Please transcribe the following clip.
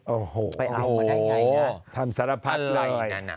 โอ้โหโอ้โหทำสารพัดเลยอะไรนั้น